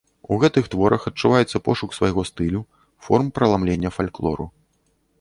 У гэтых творах адчуваецца пошук свайго стылю, форм праламлення фальклору.